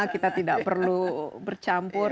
kita tidak perlu bercampur